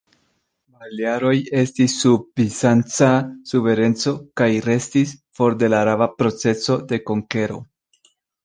Balearoj estis sub bizanca suvereneco, kaj restis for de la araba procezo de konkero.